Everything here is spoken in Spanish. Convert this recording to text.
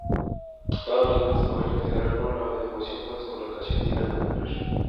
Dados los grandes tamaños de grano, la deformación por dislocación tiende a dominar.